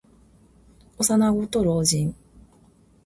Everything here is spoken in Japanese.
幼子と老人。